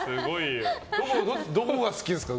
どこが好きですか？